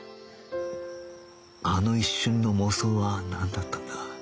あの一瞬の妄想はなんだったんだ？